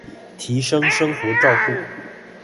提升生活照顧